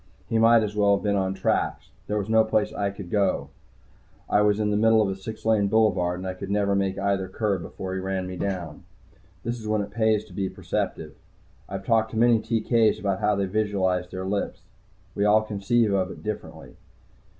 He might as well have been on tracks. There was no place to go I was in the middle of a six lane boulevard, and could never make either curb before he ran me down. This is when it pays to be a perceptive. I've talked to many TK's about how they visualize their lifts. We all conceive of it differently.